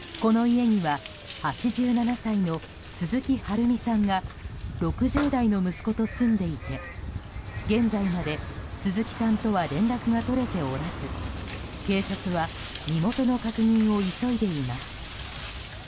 この家には８７歳の鈴木春美さんが６０代の息子と住んでいて現在まで鈴木さんとは連絡が取れておらず警察は身元の確認を急いでいます。